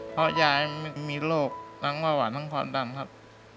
เพราะยายมีโรคทั้งเบาหวานทั้งความดันครับ